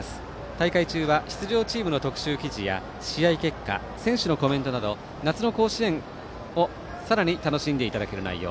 大会中は出場チームの特集記事や試合結果、選手のコメントなど夏の甲子園をさらに楽しんでいただける内容。